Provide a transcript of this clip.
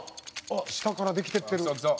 下からできていってる。